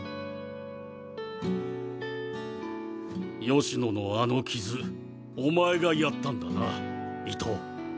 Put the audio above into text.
吉野のあの傷お前がやったんだな伊藤。